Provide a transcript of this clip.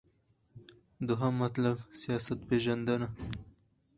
دوهم مطلب : سیاست پیژندنه